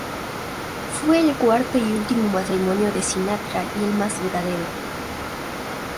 Fue el cuarto y último matrimonio de Sinatra y el más duradero.